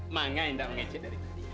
manga yang udah mengecek dari tadi